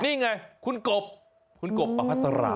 นี่ไงคุณกบคุณกบอพัสรา